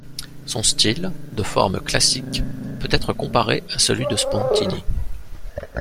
Son style, de forme classique, peut être comparé à celui de Spontini.